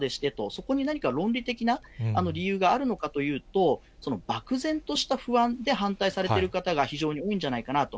そこに何か論理的な理由があるのかというと、漠然とした不安で反対されている方が非常に多いんじゃないかなと。